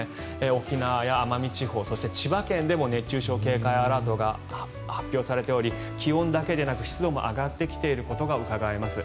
沖縄や奄美地方そして千葉県でも熱中症警戒アラートが発表されており気温だけでなく湿度も上がってきていることがうかがえます。